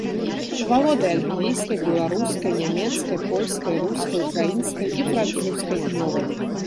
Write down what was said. Валодае англійскай, беларускай, нямецкай, польскай, рускай, украінскай і французскай мовамі.